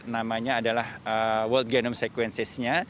namanya adalah world genome sequencesnya